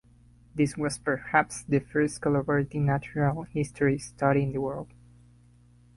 This was perhaps the first collaborative natural history study in the world.